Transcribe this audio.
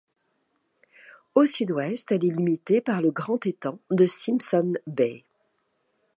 Au sud-ouest, elle est limitée par le Grand Étang de Simpson Bay.